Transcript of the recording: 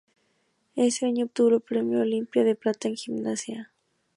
Ese años obtuvo el Premio Olimpia de Plata en gimnasia.